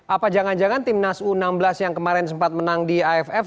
apa jangan jangan tim nas u enam belas yang kemarin sempat menang di iff